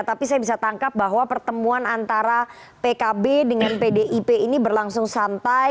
tapi saya bisa tangkap bahwa pertemuan antara pkb dengan pdip ini berlangsung santai